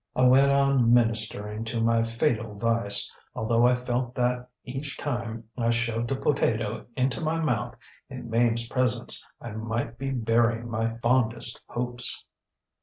I went on ministering to my fatal vice, although I felt that each time I shoved a potato into my mouth in MameŌĆÖs presence I might be burying my fondest hopes.